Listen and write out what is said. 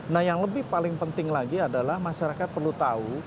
nah yang lebih paling penting lagi adalah masyarakat perlu tahu